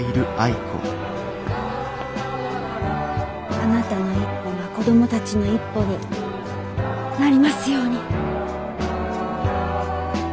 あなたの一歩が子供たちの一歩になりますように。